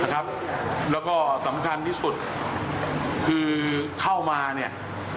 แล้วก็สำคัญที่สุดคือเข้ามาเนี่ย